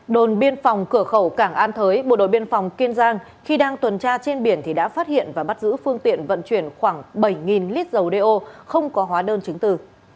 đồn biên phòng cửa khẩu cảng an thới bộ đội biên phòng kiên giang khi đang tuần tra trên biển thì đã phát hiện và bắt giữ phương tiện vận chuyển khoảng bảy lít dầu đeo không có hóa đơn chứng từ